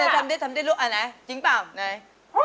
ทำได้ทำได้ลูกอันไหนจริงเปล่าไหน